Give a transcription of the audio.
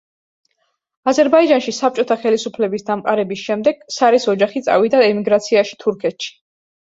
აზერბაიჯანში საბჭოთა ხელისუფლების დამყარების შემდეგ სარის ოჯახი წავიდა ემიგრაციაში თურქეთში.